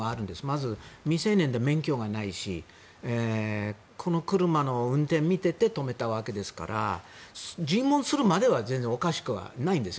まず未成年で免許がないしこの車の運転を見ていて止めたわけですから尋問するまでは全然おかしくはないんです。